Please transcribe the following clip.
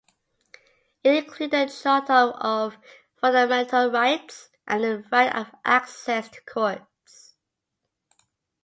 It included a charter of fundamental rights and the right of access to courts.